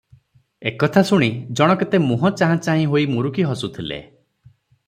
ଏକଥା ଶୁଣି ଜଣ କେତେ ମୁହଁ ଚାହାଁ ଚାହିଁ ହୋଇ ମୁରୁକି ହସୁଥିଲେ ।